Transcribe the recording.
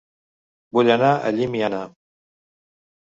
Vull anar a Llimiana